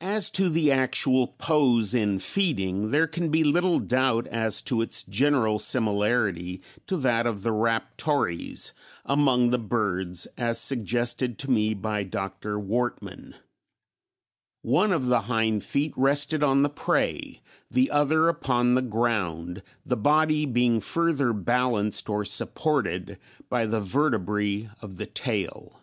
As to the actual pose in feeding, there can be little doubt as to its general similarity to that of the Raptores among the birds, as suggested to me by Dr. Wortman (see fig. 10); one of the hind feet rested on the prey, the other upon the ground, the body being further balanced or supported by the vertebræ of the tail.